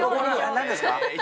何ですか？